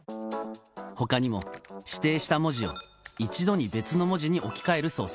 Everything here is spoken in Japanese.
ほかにも指定した文字を、一度に別の文字に置き換える操作。